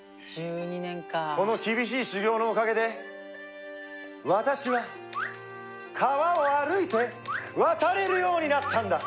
この厳しい修行のおかげで私は川を歩いて渡れるようになったんだ！